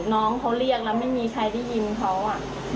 น้องเขาเรียกแล้วไม่มีใครได้ยินเขาอ่ะ